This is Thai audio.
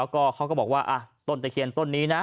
ก็เขาก็บอกว่าต้นตะเคียนต้นนี้นะ